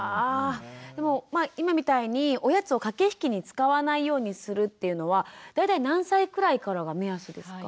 でもまあ今みたいにおやつを駆け引きに使わないようにするっていうのは大体何歳くらいからが目安ですか？